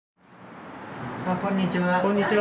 こんにちは。